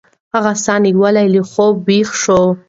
هغه ساه نیولې له خوبه ویښه شوه.